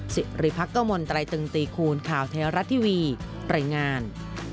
สิริพักษ์กระมวลไตรตึงตีคูณข่าวเทวรัฐทีวีตรายงาน